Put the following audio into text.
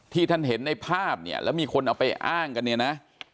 ท่านเห็นในภาพเนี่ยแล้วมีคนเอาไปอ้างกันเนี่ยนะ